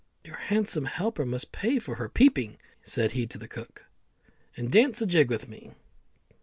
"Your handsome helper must pay for her peeping," said he to the cook, "and dance a jig with me."